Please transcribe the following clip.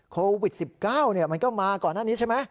โควิด๑๙มันก็มาก่อนหน้านี้ใช่ไหม